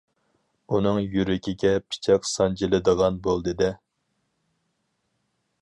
ئۇنىڭ يۈرىكىگە پىچاق سانجىلىدىغان بولدى دە!